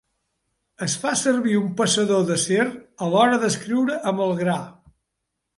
Es fa servir un passador d'acer a l'hora d'escriure amb el gra.